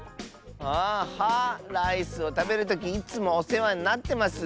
あ「は」。ライスをたべるときいつもおせわになってます！